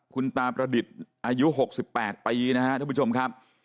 คุณตาประดิษฐ์อายุ๖๘ปีนะครับท่านผู้ชมครับ